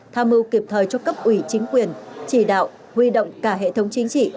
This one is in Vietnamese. tham mưu kịp thời cho cấp ủy chính quyền chỉ đạo huy động cả hệ thống chính trị